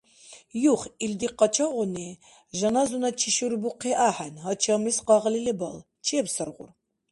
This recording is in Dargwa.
Юх, илди къачагъуни жаназуначи шурбухъи ахӀен, гьачамлис къагъли лебал. Чебсаргъур…